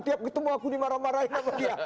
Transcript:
tiap ketemu aku dimarah marahin sama dia